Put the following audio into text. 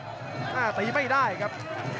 หน้าตีไม่ได้ครับ